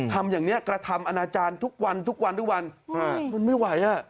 ทำอย่างนี้กระทำอาณาจารย์ทุกวันมันไม่ไหว